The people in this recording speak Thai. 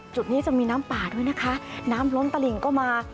จุดนี้จะมีน้ำป่าด้วยนะคะน้ำล้นตลิ่งก็มา